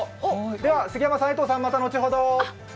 では杉山さん、江藤さんまた後ほど。